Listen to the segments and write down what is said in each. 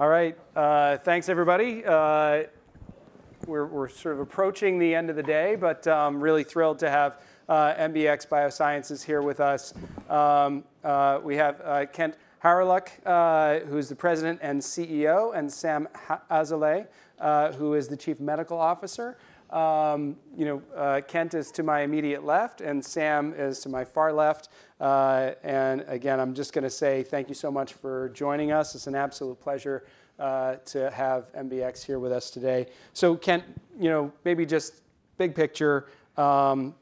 All right, thanks everybody. We're sort of approaching the end of the day, but I'm really thrilled to have MBX Biosciences here with us. We have Kent Hawryluk, who is the President and CEO, and Sam Azoulay, who is the Chief Medical Officer. You know, Kent is to my immediate left, and Sam is to my far left. And again, I'm just going to say thank you so much for joining us. It's an absolute pleasure to have MBX here with us today. So Kent, you know, maybe just big picture,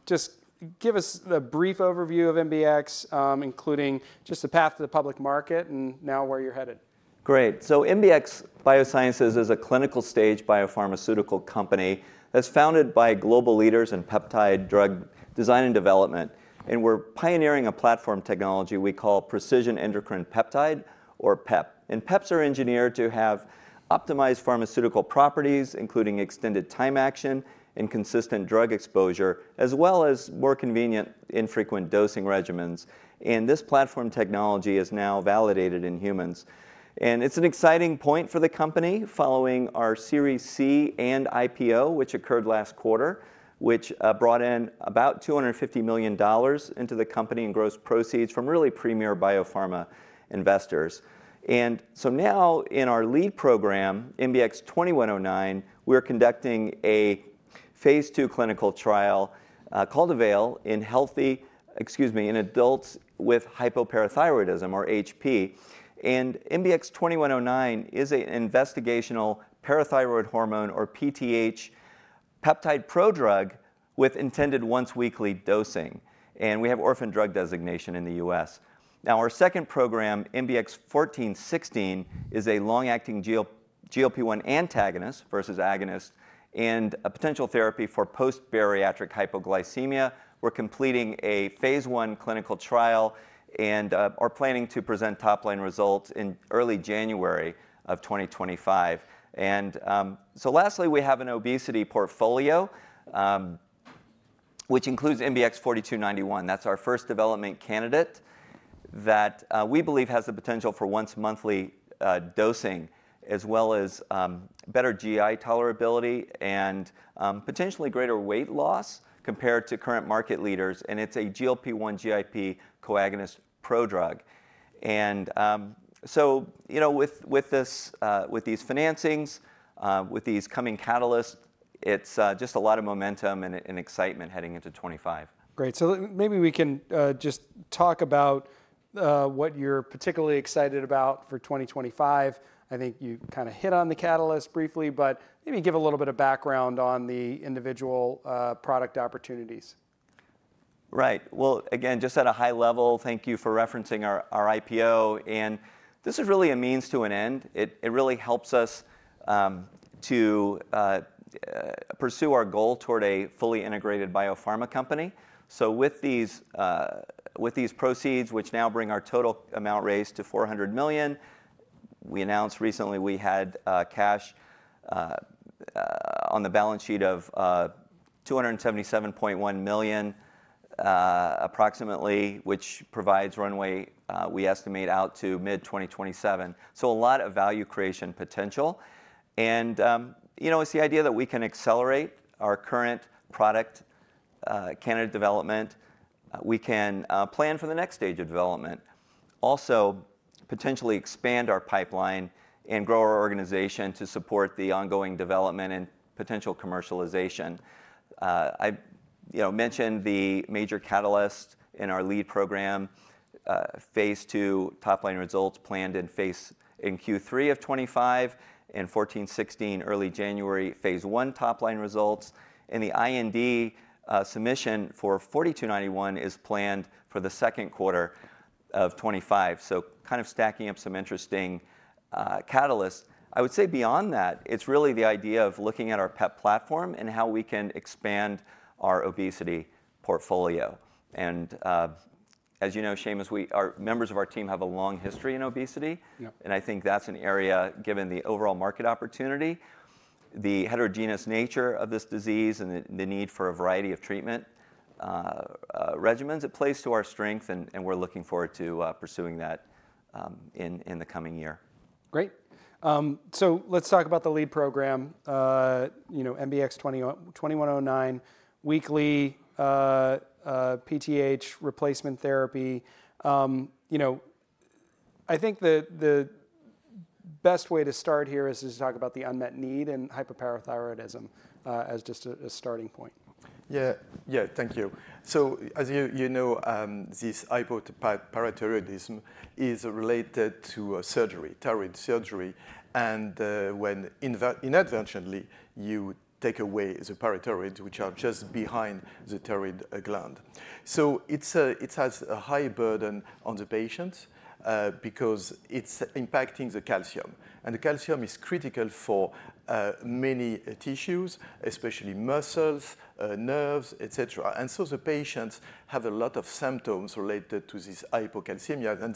just give us a brief overview of MBX, including just the path to the public market and now where you're headed. Great. So MBX Biosciences is a clinical stage biopharmaceutical company that's founded by global leaders in peptide drug design and development. And we're pioneering a platform technology we call precision endocrine peptide, or PEP. And PEPs are engineered to have optimized pharmaceutical properties, including extended time action and consistent drug exposure, as well as more convenient, infrequent dosing regimens. And this platform technology is now validated in humans. And it's an exciting point for the company following our Series C and IPO, which occurred last quarter, which brought in about $250 million into the company and gross proceeds from really premier biopharma investors. And so now in our lead program, MBX 2109, we're conducting a phase two clinical trial called AVAIL in healthy, excuse me, in adults with hypoparathyroidism, or HP. And MBX 2109 is an investigational parathyroid hormone, or PTH, peptide prodrug with intended once weekly dosing. We have orphan drug designation in the U.S. Now, our second program, MBX 1416, is a long-acting GLP-1 antagonist versus agonist and a potential therapy for post-bariatric hypoglycemia. We're completing a phase one clinical trial and are planning to present top line results in early January of 2025. Lastly, we have an obesity portfolio, which includes MBX 4291. That's our first development candidate that we believe has the potential for once monthly dosing, as well as better GI tolerability and potentially greater weight loss compared to current market leaders. It's a GLP-1 GIP coagonist prodrug. You know, with this, with these financings, with these coming catalysts, it's just a lot of momentum and excitement heading into 2025. Great. So maybe we can just talk about what you're particularly excited about for 2025. I think you kind of hit on the catalyst briefly, but maybe give a little bit of background on the individual product opportunities. Right. Well, again, just at a high level, thank you for referencing our IPO. And this is really a means to an end. It really helps us to pursue our goal toward a fully integrated biopharma company. So with these proceeds, which now bring our total amount raised to $400 million, we announced recently we had cash on the balance sheet of $277.1 million approximately, which provides runway we estimate out to mid-2027. So a lot of value creation potential. And, you know, it's the idea that we can accelerate our current product candidate development. We can plan for the next stage of development, also potentially expand our pipeline and grow our organization to support the ongoing development and potential commercialization. I mentioned the major catalyst in our lead program, phase 2 top line results planned in Q3 of 2025 and 1416 early January phase 1 top line results. And the IND submission for 4291 is planned for the second quarter of 2025. So kind of stacking up some interesting catalysts. I would say beyond that, it's really the idea of looking at our PEP platform and how we can expand our obesity portfolio. And as you know, Seamus, our members of our team have a long history in obesity. And I think that's an area, given the overall market opportunity, the heterogeneous nature of this disease, and the need for a variety of treatment regimens. It plays to our strength, and we're looking forward to pursuing that in the coming year. Great. So let's talk about the lead program. You know, MBX 2109, weekly PTH replacement therapy. You know, I think the best way to start here is to talk about the unmet need and hypoparathyroidism as just a starting point. Yeah, yeah, thank you. So as you know, this hypoparathyroidism is related to surgery, thyroid surgery. And when inadvertently you take away the parathyroid, which are just behind the thyroid gland. So it has a high burden on the patients because it's impacting the calcium. And the calcium is critical for many tissues, especially muscles, nerves, et cetera. And so the patients have a lot of symptoms related to this hypocalcemia. And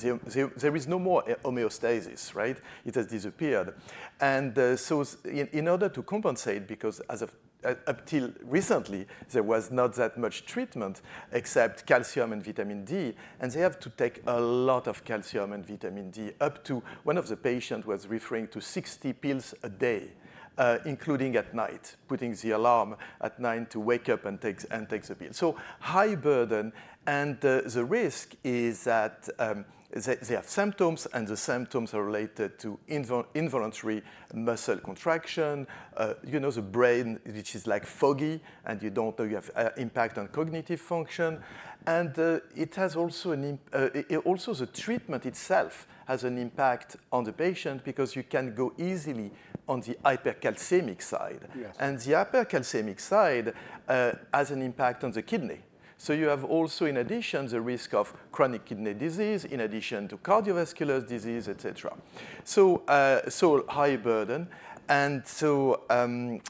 there is no more homeostasis, right? It has disappeared. And so in order to compensate, because until recently there was not that much treatment except calcium and vitamin D, and they have to take a lot of calcium and vitamin D up to one of the patients was referring to 60 pills a day, including at night, putting the alarm at nine to wake up and take the pill. So high burden. And the risk is that they have symptoms and the symptoms are related to involuntary muscle contraction. You know, the brain, which is like foggy, and you don't know you have impact on cognitive function. And it has also an, also the treatment itself has an impact on the patient because you can go easily on the hypercalcemic side. And the hypercalcemic side has an impact on the kidney. So you have also, in addition, the risk of chronic kidney disease in addition to cardiovascular disease, et cetera. So high burden. And so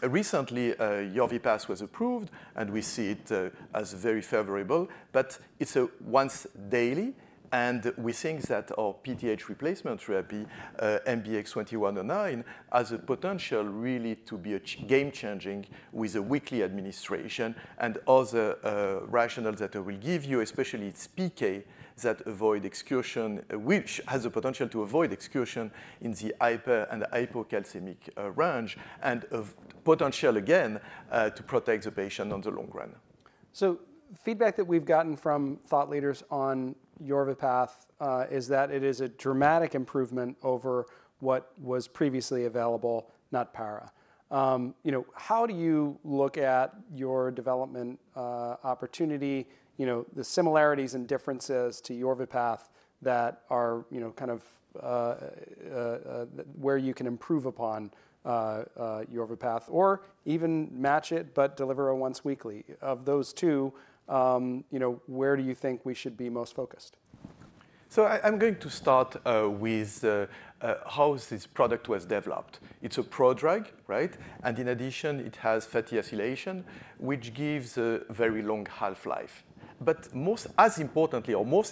recently Yorvipath was approved, and we see it as very favorable. But it's a once daily. And we think that our PTH replacement therapy, MBX 2109, has a potential really to be game changing with a weekly administration. Other rationale that I will give you, especially its PK that avoid excursion, which has a potential to avoid excursion in the hyper- and hypocalcemic range and potential again to protect the patient in the long run. So feedback that we've gotten from thought leaders on Yorvipath is that it is a dramatic improvement over what was previously available, Natpara. You know, how do you look at your development opportunity, you know, the similarities and differences to Yorvipath that are, you know, kind of where you can improve upon Yorvipath or even match it, but deliver a once weekly of those two, you know, where do you think we should be most focused? I'm going to start with how this product was developed. It's a prodrug, right? In addition, it has fatty acylation, which gives a very long half-life. Most importantly, or more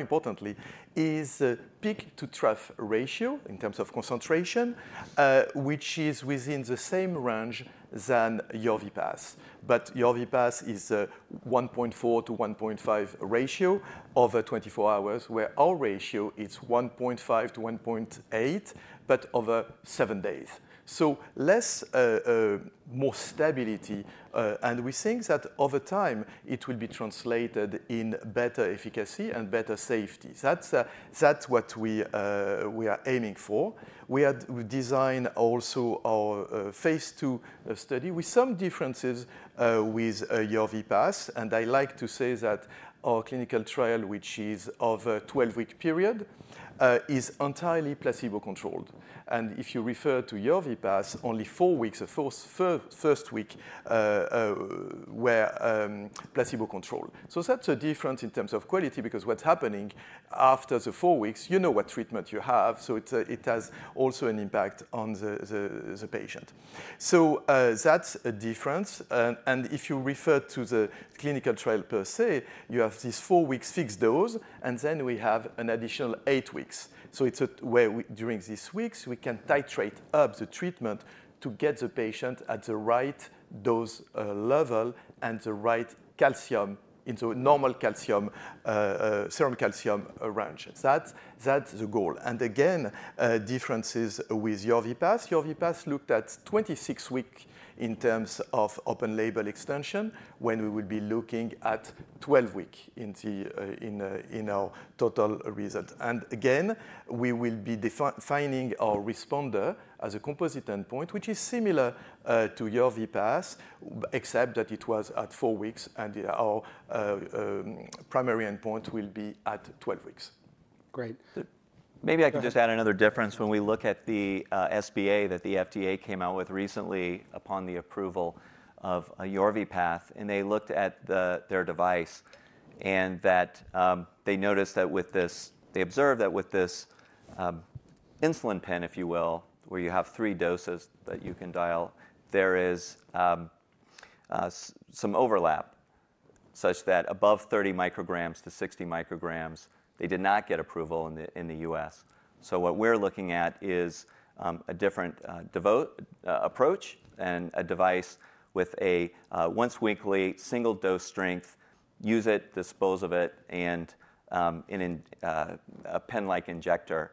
importantly, is the peak to trough ratio in terms of concentration, which is within the same range than Yorvipath. Yorvipath is a 1.4-1.5 ratio over 24 hours, where our ratio is 1.5-1.8, but over seven days. Less, more stability. We think that over time it will be translated in better efficacy and better safety. That's what we are aiming for. We designed also our phase 2 study with some differences with Yorvipath. I like to say that our clinical trial, which is of a 12-week period, is entirely placebo controlled. If you refer to Yorvipath, only four weeks, the first week were placebo controlled. That's a difference in terms of quality because what's happening after the four weeks, you know what treatment you have. So it has also an impact on the patient. So that's a difference. And if you refer to the clinical trial per se, you have these four weeks fixed dose, and then we have an additional eight weeks. So it's where during these weeks we can titrate up the treatment to get the patient at the right dose level and the right calcium into normal calcium, serum calcium range. That's the goal. And again, differences with Yorvipath. Yorvipath looked at 26 weeks in terms of open-label extension when we would be looking at 12 weeks in our total result. Again, we will be defining our responder as a composite endpoint, which is similar to Yorvipath, except that it was at four weeks, and our primary endpoint will be at 12 weeks. Great. Maybe I can just add another difference. When we look at the SBA that the FDA came out with recently upon the approval of Yorvipath, and they looked at their device and that they noticed that with this, they observed that with this insulin pen, if you will, where you have three doses that you can dial, there is some overlap such that above 30-60 micrograms, they did not get approval in the U.S. So what we're looking at is a different approach and a device with a once weekly single dose strength, use it, dispose of it, and a pen-like injector.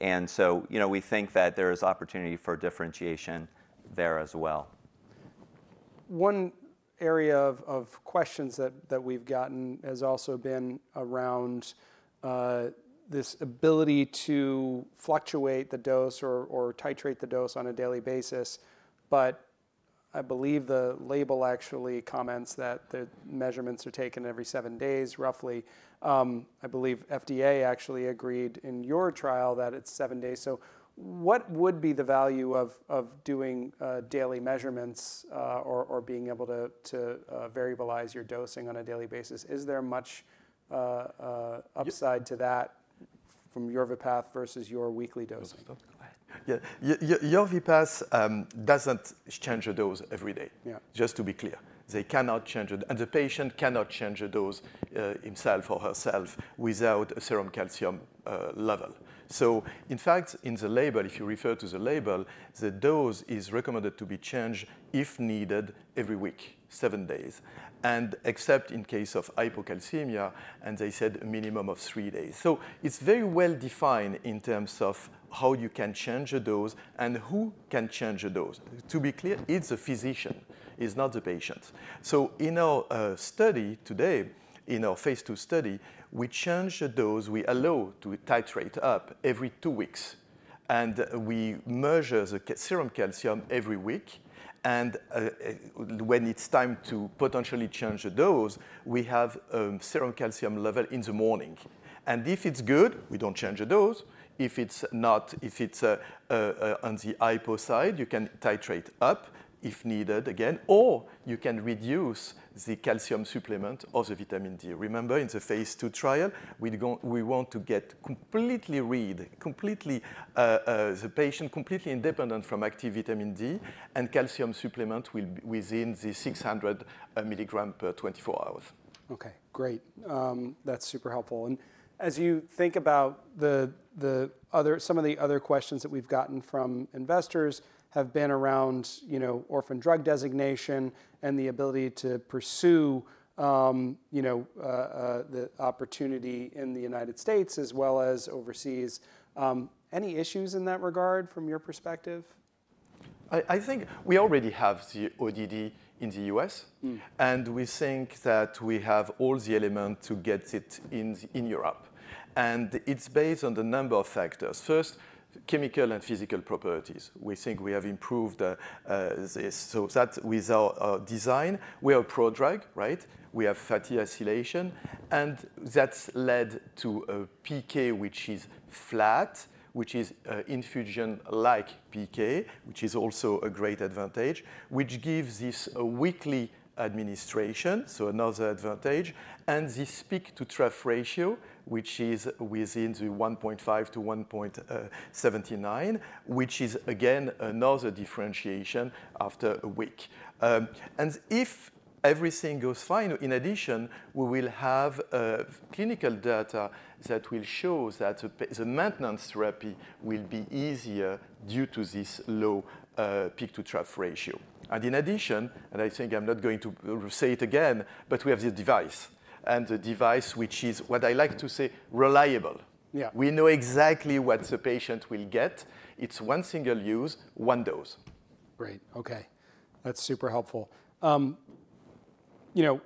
And so, you know, we think that there is opportunity for differentiation there as well. One area of questions that we've gotten has also been around this ability to fluctuate the dose or titrate the dose on a daily basis. But I believe the label actually comments that the measurements are taken every seven days roughly. I believe FDA actually agreed in your trial that it's seven days. So what would be the value of doing daily measurements or being able to variabilize your dosing on a daily basis? Is there much upside to that from Yorvipath versus your weekly dosing? Yorvipath doesn't change a dose every day. Just to be clear, they cannot change a dose, and the patient cannot change a dose himself or herself without a serum calcium level. So in fact, in the label, if you refer to the label, the dose is recommended to be changed if needed every week, seven days, and except in case of hypocalcemia, and they said a minimum of three days. So it's very well defined in terms of how you can change a dose and who can change a dose. To be clear, it's a physician, it's not the patient. So in our study today, in our phase two study, we change the dose we allow to titrate up every two weeks. And we measure the serum calcium every week. And when it's time to potentially change the dose, we have serum calcium level in the morning. If it's good, we don't change the dose. If it's not, if it's on the hypo side, you can titrate up if needed again, or you can reduce the calcium supplement or the vitamin D. Remember, in the phase two trial, we want to get the patient completely independent from active vitamin D and calcium supplements will be within the 600 milligrams per 24 hours. Okay, great. That's super helpful. And as you think about the other, some of the other questions that we've gotten from investors have been around, you know, orphan drug designation and the ability to pursue, you know, the opportunity in the United States as well as overseas. Any issues in that regard from your perspective? I think we already have the ODD in the U.S., and we think that we have all the elements to get it in Europe, and it's based on a number of factors. First, chemical and physical properties. We think we have improved this. So that with our design, we are a prodrug, right? We have fatty acylation, and that's led to a PK, which is flat, which is infusion-like PK, which is also a great advantage, which gives this weekly administration, so another advantage, and the peak to trough ratio, which is within the 1.5-1.79, which is again another differentiation after a week. And if everything goes fine, in addition, we will have clinical data that will show that the maintenance therapy will be easier due to this low peak to trough ratio. In addition, I think I'm not going to say it again, but we have this device, which is what I like to say, reliable. We know exactly what the patient will get. It's one single use, one dose. Great. Okay. That's super helpful. You know,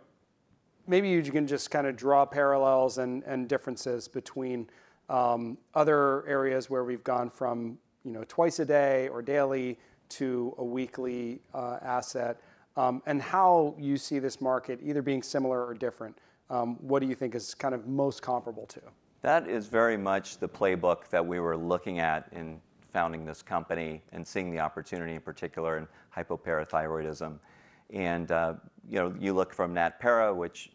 maybe you can just kind of draw parallels and differences between other areas where we've gone from, you know, twice a day or daily to a weekly asset and how you see this market either being similar or different. What do you think is kind of most comparable to? That is very much the playbook that we were looking at in founding this company and seeing the opportunity in particular in hypoparathyroidism, and you know, you look from Natpara, which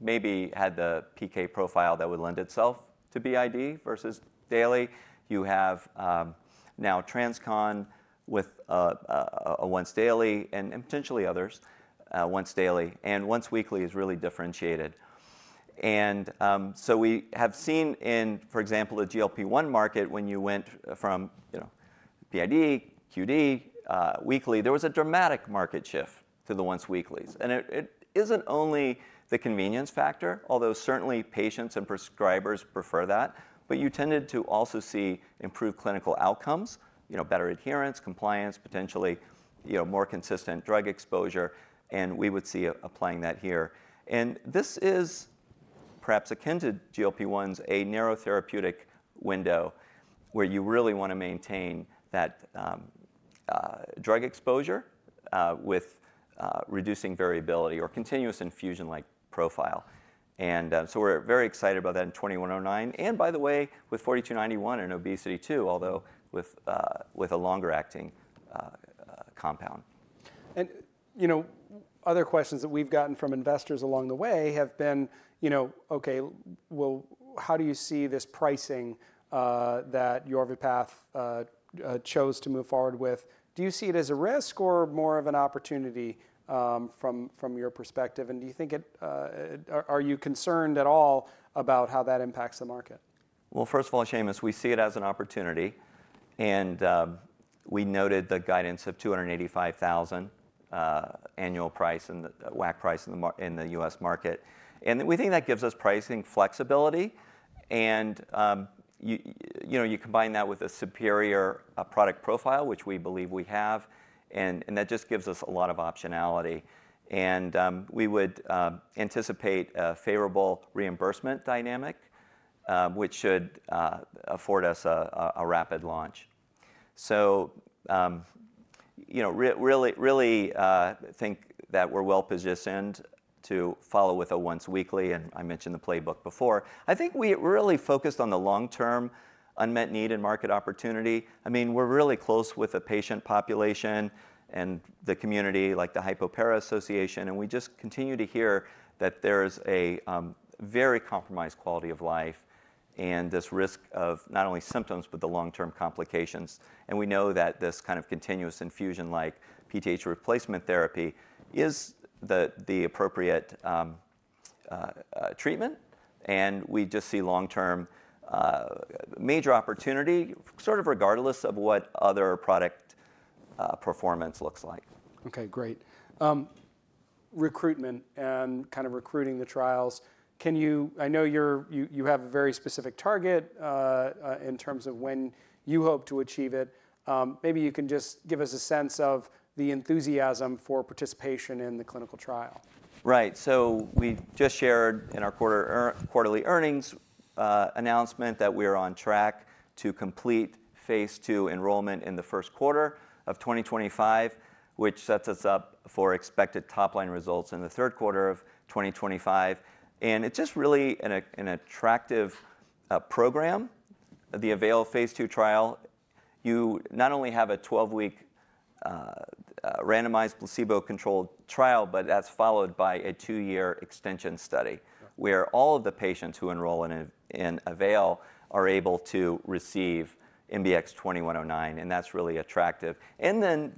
maybe had the PK profile that would lend itself to BID versus daily. You have now TransCon with a once daily and potentially others, once daily, and once weekly is really differentiated, and so we have seen in, for example, the GLP-1 market when you went from, you know, BID, QD, weekly, there was a dramatic market shift to the once weeklies, and it isn't only the convenience factor, although certainly patients and prescribers prefer that, but you tended to also see improved clinical outcomes, you know, better adherence, compliance, potentially, you know, more consistent drug exposure, and we would see applying that here. And this is perhaps akin to GLP-1 has a narrow therapeutic window where you really want to maintain that drug exposure while reducing variability or continuous infusion-like profile. And so we're very excited about that in 2109. And by the way, with 4291 and obesity too, although with a longer acting compound. You know, other questions that we've gotten from investors along the way have been, you know, okay, well, how do you see this pricing that Yorvipath chose to move forward with? Do you see it as a risk or more of an opportunity from your perspective? Do you think it, are you concerned at all about how that impacts the market? First of all, Seamus, we see it as an opportunity. We noted the guidance of $285,000 annual price and the WAC price in the U.S. market. We think that gives us pricing flexibility. You know, you combine that with a superior product profile, which we believe we have. That just gives us a lot of optionality. We would anticipate a favorable reimbursement dynamic, which should afford us a rapid launch. You know, really think that we're well positioned to follow with a once weekly. I mentioned the playbook before. I think we really focused on the long-term unmet need and market opportunity. I mean, we're really close with the patient population and the community like the Hypopara Association. We just continue to hear that there is a very compromised quality of life and this risk of not only symptoms, but the long-term complications. We know that this kind of continuous infusion-like PTH replacement therapy is the appropriate treatment. We just see long-term major opportunity sort of regardless of what other product performance looks like. Okay, great. Recruitment and kind of recruiting the trials. Can you? I know you have a very specific target in terms of when you hope to achieve it. Maybe you can just give us a sense of the enthusiasm for participation in the clinical trial. Right. So we just shared in our quarterly earnings announcement that we are on track to complete phase 2 enrollment in the first quarter of 2025, which sets us up for expected top line results in the third quarter of 2025, and it's just really an attractive program. The AVAIL phase 2 trial, you not only have a 12-week randomized placebo-controlled trial, but that's followed by a two-year extension study where all of the patients who enroll in AVAIL are able to receive MBX 2109, and that's really attractive, and then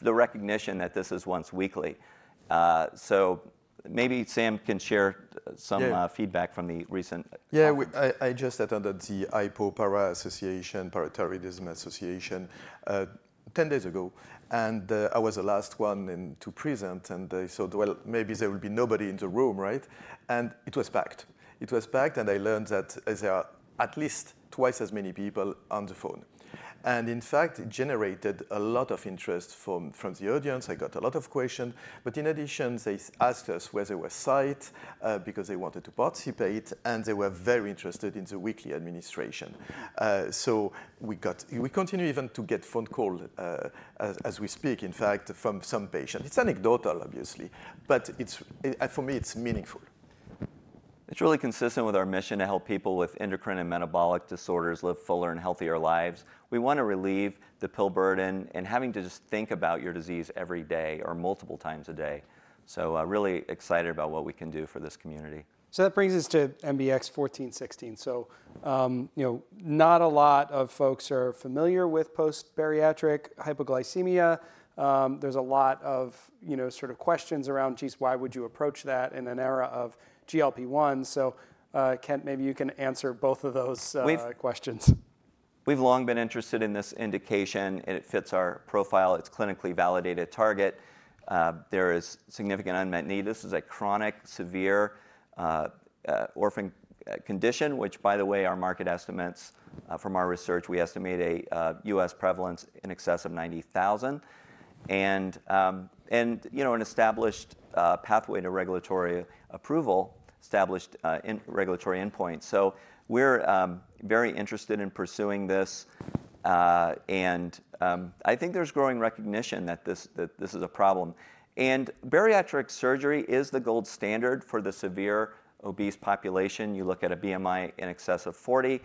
the recognition that this is once weekly, so maybe Sam can share some feedback from the recent. Yeah, I just attended the Hypoparathyroidism Association 10 days ago. And I was the last one to present. And they said, well, maybe there will be nobody in the room, right? And it was packed. It was packed. And I learned that there are at least twice as many people on the phone. And in fact, it generated a lot of interest from the audience. I got a lot of questions. But in addition, they asked us whether we're psyched because they wanted to participate. And they were very interested in the weekly administration. So we continue even to get phone calls as we speak, in fact, from some patients. It's anecdotal, obviously, but for me, it's meaningful. It's really consistent with our mission to help people with endocrine and metabolic disorders live fuller and healthier lives. We want to relieve the pill burden and having to just think about your disease every day or multiple times a day. So really excited about what we can do for this community. So that brings us to MBX 1416. So, you know, not a lot of folks are familiar with post-bariatric hypoglycemia. There's a lot of, you know, sort of questions around, geez, why would you approach that in an era of GLP-1? So Kent, maybe you can answer both of those questions. We've long been interested in this indication, and it fits our profile. It's clinically validated target. There is significant unmet need. This is a chronic, severe orphan condition, which by the way, our market estimates from our research, we estimate a U.S. prevalence in excess of 90,000, and, you know, an established pathway to regulatory approval, established regulatory endpoint, so we're very interested in pursuing this, and I think there's growing recognition that this is a problem, and bariatric surgery is the gold standard for the severe obese population. You look at a BMI in excess of 40,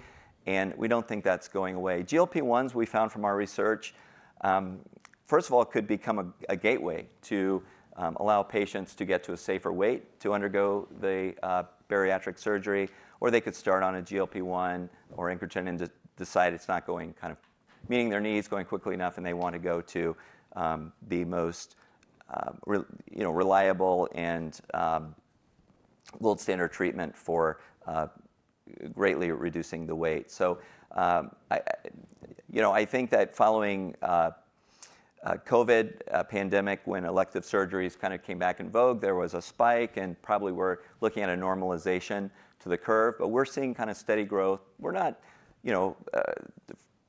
and we don't think that's going away. GLP-1s we found from our research, first of all, could become a gateway to allow patients to get to a safer weight to undergo the bariatric surgery, or they could start on a GLP-1 or incretin and decide it's not going kind of meeting their needs going quickly enough, and they want to go to the most, you know, reliable and gold standard treatment for greatly reducing the weight. You know, I think that following the COVID pandemic, when elective surgeries kind of came back in vogue, there was a spike and probably we're looking at a normalization to the curve, but we're seeing kind of steady growth. We're not, you know,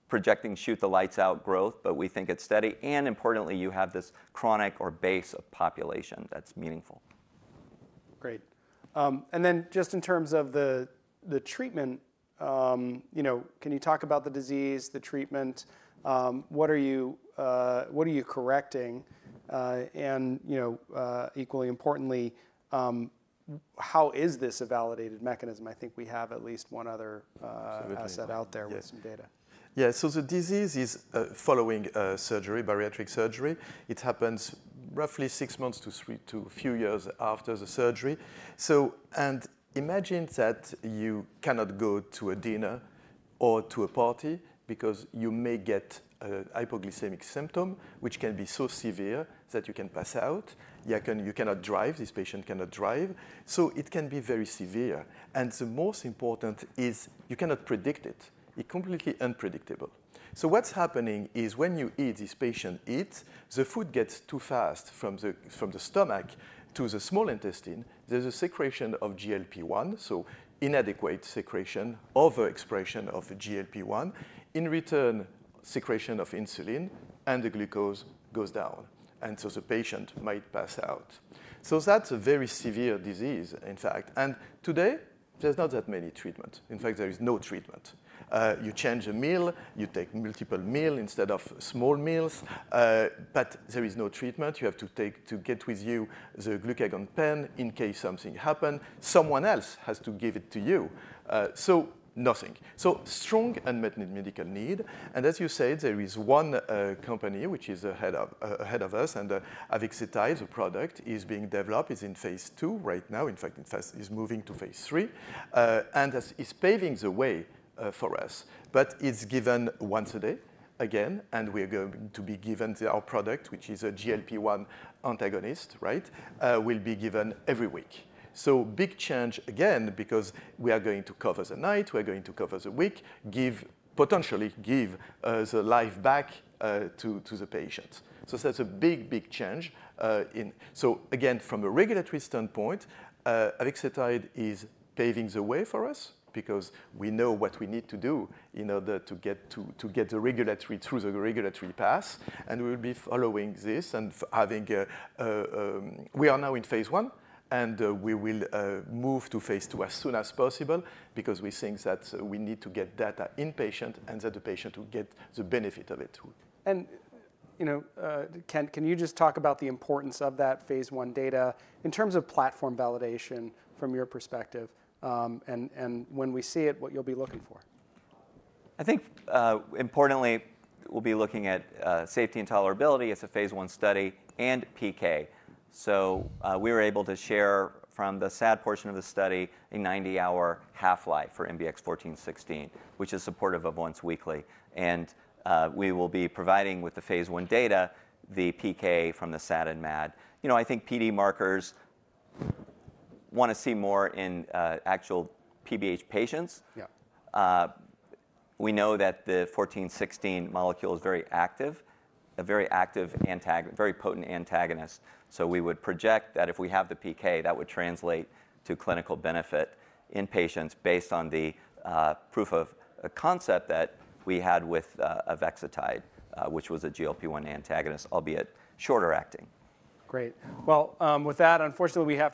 projecting shoot the lights out growth, but we think it's steady, and importantly, you have this core base of population that's meaningful. Great. And then just in terms of the treatment, you know, can you talk about the disease, the treatment? What are you correcting? And, you know, equally importantly, how is this a validated mechanism? I think we have at least one other asset out there with some data. Yeah. So the disease is following surgery, bariatric surgery. It happens roughly six months to a few years after the surgery. So, and imagine that you cannot go to a dinner or to a party because you may get a hypoglycemic symptom, which can be so severe that you can pass out. You cannot drive. This patient cannot drive. So it can be very severe. And the most important is you cannot predict it. It's completely unpredictable. So what's happening is when you eat, this patient eats, the food gets too fast from the stomach to the small intestine. There's a secretion of GLP-1, so inadequate secretion, overexpression of the GLP-1. In return, secretion of insulin and the glucose goes down. And so the patient might pass out. So that's a very severe disease, in fact. And today, there's not that many treatments. In fact, there is no treatment. You change a meal, you take multiple meals instead of small meals, but there is no treatment. You have to take the glucagon pen with you in case something happens. Someone else has to give it to you. So nothing, so strong unmet medical need, and as you said, there is one company which is ahead of us, and avexitide is a product that is being developed. It's in phase two right now. In fact, it's moving to phase three, and it's paving the way for us, but it's given once a day again, and we are going to be given our product, which is a GLP-1 antagonist, right, will be given every week, so big change again, because we are going to cover the night, we're going to cover the week, potentially give the life back to the patient, so that's a big, big change. So again, from a regulatory standpoint, avexitide is paving the way for us because we know what we need to do in order to get the regulatory through the regulatory path and we'll be following this and having a, we are now in phase one, and we will move to phase two as soon as possible because we think that we need to get data in patient and that the patient will get the benefit of it too. And, you know, Kent, can you just talk about the importance of that phase one data in terms of platform validation from your perspective? And when we see it, what you'll be looking for? I think importantly, we'll be looking at safety and tolerability as a phase one study and PK, so we were able to share from the SAD portion of the study a 90-hour half-life for MBX 1416, which is supportive of once weekly, and we will be providing with the phase one data, the PK from the SAD and MAD. You know, I think PD markers want to see more in actual PBH patients. We know that the 1416 molecule is very active, a very active antagonist, very potent antagonist, so we would project that if we have the PK, that would translate to clinical benefit in patients based on the proof of concept that we had with avexitide, which was a GLP-1 antagonist, albeit shorter acting. Great. Well, with that, unfortunately, we have.